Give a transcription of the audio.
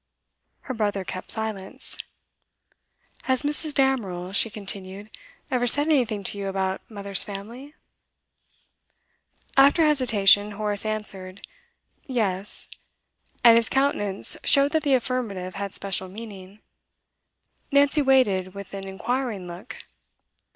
Her brother kept silence. 'Has Mrs. Damerel,' she continued, 'ever said anything to you about mother's family?' After hesitation, Horace answered, 'Yes,' and his countenance showed that the affirmative had special meaning. Nancy waited with an inquiring look.